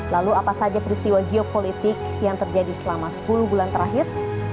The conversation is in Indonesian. lalu apa saja peristiwa geopolitik yang terjadi selama sepuluh bulan terakhir